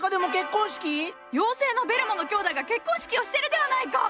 妖精のベルモのきょうだいが結婚式をしてるではないか！